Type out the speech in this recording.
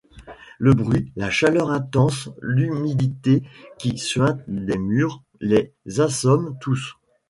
Le bruit, la chaleur intense, l'humidité qui suinte des murs les assomment tous.